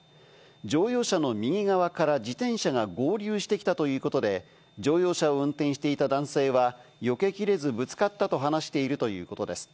乗用車の右側から自転車が合流してきたということで、乗用車を運転していた男性は、よけきれずぶつかったと話しているということです。